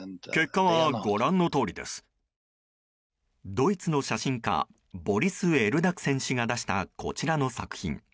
ドイツの写真家ボリス・エルダグセン氏が出したこちらの作品。